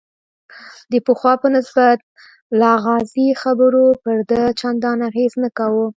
د پخوا په نسبت لغازي خبرو پر ده چندان اغېز نه کاوه.